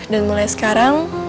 dan mulai sekarang